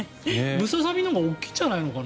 ムササビのほうが大きいんじゃないのかな。